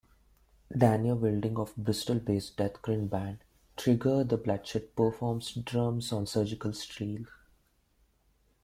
Daniel Wilding of Bristol-based deathgrind band Trigger the Bloodshed performs drums on "Surgical Steel".